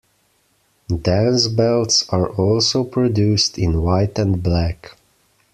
Dance belts are also produced in white and black.